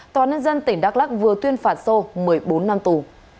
tòa nhân dân tỉnh đắk lắc vừa tuyên phạt sô một mươi bốn năm tù